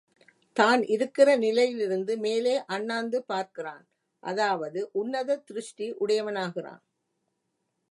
தான் இருக்கிற நிலையிலிருந்து மேலே அண்ணாந்து பார்க்கிறான் அதாவது, உன்னத திருஷ்டி உடையவனாகிறான்.